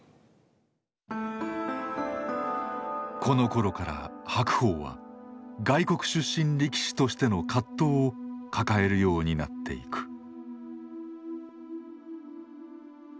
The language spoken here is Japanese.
このころから白鵬は外国出身力士としての葛藤を抱えるようになっていく。